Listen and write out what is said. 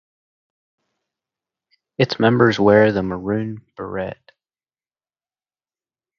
Its members wear the Maroon Beret.